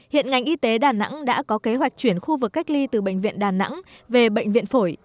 hiện ngành y tế đà nẵng đã có kế hoạch chuyển khu vực cách ly từ bệnh viện đà nẵng về bệnh viện phổi